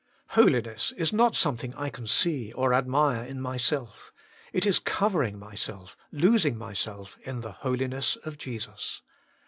1, Holiness is not something I can see or admire in myself : it is covering myself, losing myself, in the Holiness of Jesus.